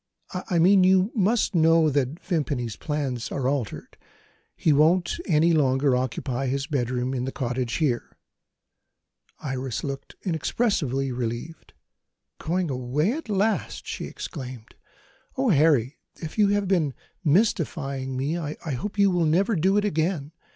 "I mean, you must know that Vimpany's plans are altered. He won't any longer occupy his bedroom in the cottage here." Iris looked inexpressibly relieved. "Going away, at last!" she exclaimed. "Oh, Harry, if you have been mystifying me, I hope you will never do it again.